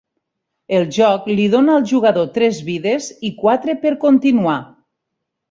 El joc li dona al jugador tres vides i quatre per continuar.